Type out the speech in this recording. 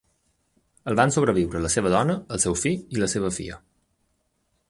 El van sobreviure la seva dona, el seu fill i la seva filla.